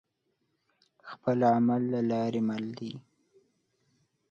خپل عمل دلاری مل دی